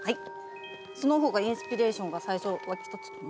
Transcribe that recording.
その方がインスピレーションが最初湧き立つ。